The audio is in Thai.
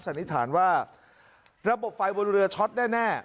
สันนิษฐานว่าระบบไฟบนเรือช็อตแน่